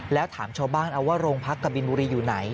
แล้วถามชาวบ้านเอาว่าโรงพักกะบินบุรีอยู่ไหน